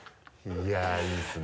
いやいいですね。